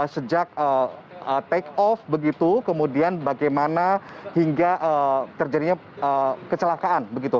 sejak take off begitu kemudian bagaimana hingga terjadinya kecelakaan begitu